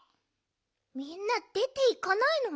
みんなでていかないの？